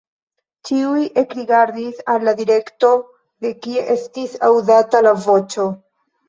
Ĉiuj ekrigardis al la direkto, de kie estis aŭdata la voĉo.